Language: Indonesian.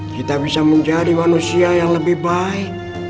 kita bisa menjadi manusia yang lebih baik